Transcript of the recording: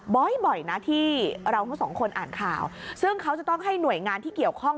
บ่อยบ่อยนะที่เราทั้งสองคนอ่านข่าวซึ่งเขาจะต้องให้หน่วยงานที่เกี่ยวข้อง